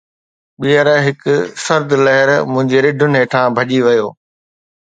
ٻيهر، هڪ سرد لهر منهنجي رڍن هيٺان ڀڄي ويو